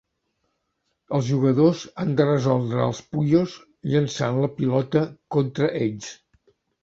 Els jugadors han de resoldre els Puyos llançant la pilota contra ells.